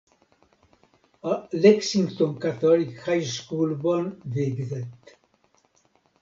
A Lexington Catholic High Schoolban végzett.